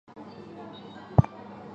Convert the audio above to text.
以下是阿尔巴尼亚航空公司的列表